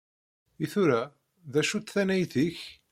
I tura, d acu-tt tannayt-ik?